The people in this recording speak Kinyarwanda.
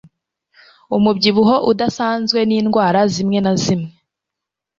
Umubyibuho udasanzwe n'indwara zimwe na zimwe